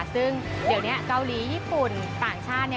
ซึ่งเดี๋ยวนี้เกาหลีญี่ปุ่นต่างชาติ